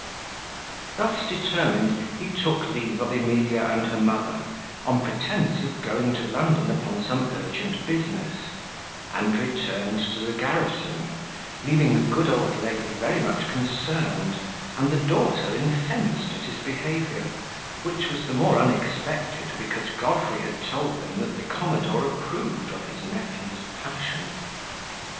Thus determined, he took leave of Emilia and her mother, on pretence of going to London upon some urgent business, and returned to the garrison, leaving the good old lady very much concerned, and the daughter incensed at his behaviour, which was the more unexpected, because Godfrey had told them that the commodore approved of his nephew's passion.